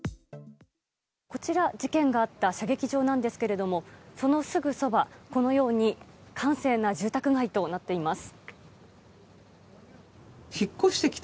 こちら、事件があった射撃場なんですけれどもそのすぐそば、このように閑静な住宅街となっています。